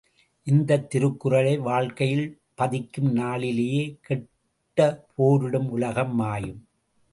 இந்தத் திருக்குறளை வாழ்க்கையில் பதிக்கும் நாளிலேயே கெட்ட போரிடும் உலகம் மாயும்!